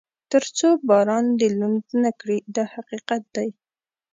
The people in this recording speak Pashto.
تر څو باران دې لوند نه کړي دا حقیقت دی.